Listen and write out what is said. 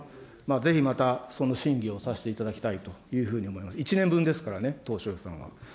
ぜひまたその審議をさせていただきたいというふうに思います、１年分ですからね、当初予算は。